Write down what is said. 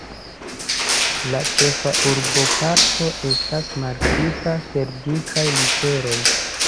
La ĉefa urboparto estas markita per dikaj literoj.